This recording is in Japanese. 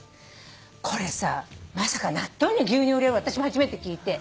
これさまさか納豆に牛乳を入れる私も初めて聞いて。